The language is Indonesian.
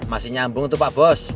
masih nyambung untuk pak bos